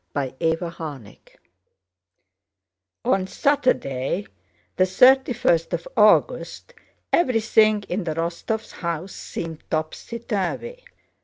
CHAPTER XIII On Saturday, the thirty first of August, everything in the Rostóvs' house seemed topsy turvy.